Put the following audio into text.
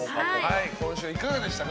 今週、いかがでしたか？